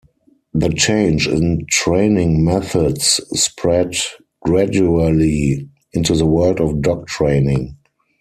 The change in training methods spread gradually into the world of dog training.